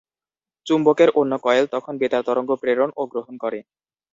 চুম্বকের অন্য কয়েল তখন বেতার তরঙ্গ প্রেরণ ও গ্রহণ করে।